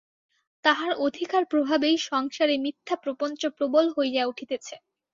তাহার অধিকারপ্রভাবেই সংসারে মিথ্যাপ্রপঞ্চ প্রবল হইয়া উঠিতেছে।